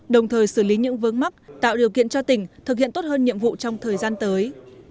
đồng thời xử lý những vấn mắc tạo điều kiện cho tỉnh thực hiện tốt hơn nhiệm vụ trong thời gian tới